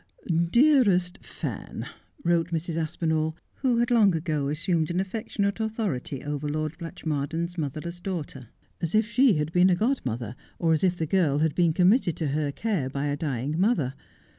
' Dearest Fan,' wrote Mrs. Aspinall, who had long ago assumed an affectionate authority over Lord Blatchmardean's motherless daughter, as if she had been a godmother, or as if the girl had been committed to her care by a dying mother.